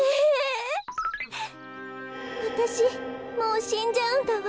わたしもうしんじゃうんだわ。